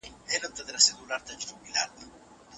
جګړه نښتې په سپین سبا ده